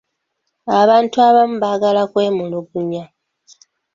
Abantu abamu baagala okwemulugunya.